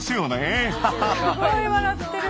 すごい笑ってる！